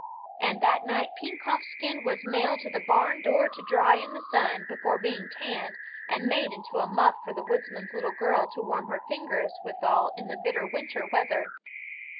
And that night Pekompf's skin was nailed to the barn door to dry in the sun before being tanned and made up into a muff for the woodsman's little girl to warm her fingers withal in the bitter winter weather.